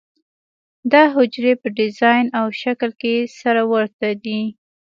دا حجرې په ډیزاین او شکل کې سره ورته دي.